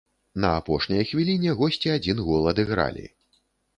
На апошняй хвіліне госці адзін гол адыгралі.